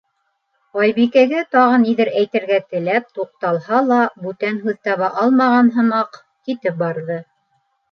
Айбикәгә тағы ниҙер әйтергә теләп туҡталһа ла, бүтән һүҙ таба алмаған һымаҡ, китеп барҙы.